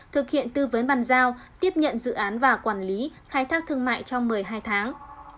thực hiện tư vấn bàn giao tiếp nhận dự án và quản lý khai thác thương mại trong một mươi hai tháng